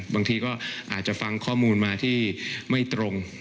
บางทีก็อาจจะฟังข้อมูลมาที่ไม่ตรง